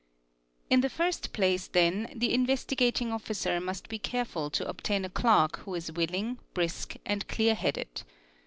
In the first place then the Investigating Officer must be careful to 5) stain a clerk who is willing, brisk, and clear headed.